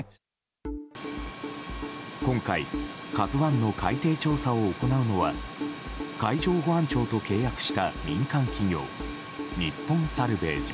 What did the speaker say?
今回、「ＫＡＺＵ１」の海底調査を行うのは海上保安庁と契約した民間企業日本サルヴェージ。